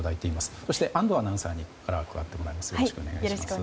そして安藤アナウンサーに加わってもらいます。